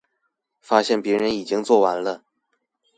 發現別人已經做完了